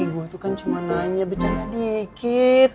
gue tuh kan cuma nanya bercanda dikit